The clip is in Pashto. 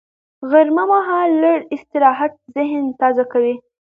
غرمه مهال لږ استراحت ذهن تازه کوي